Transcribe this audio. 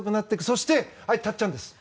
そして、たっちゃんです。